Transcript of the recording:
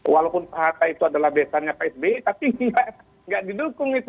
dua ribu empat belas walaupun pah itu adalah biasanya psb tapi tidak didukung itu